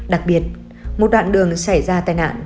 đặc biệt một đoạn đường xảy ra tai nạn